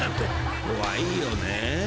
［怖いよね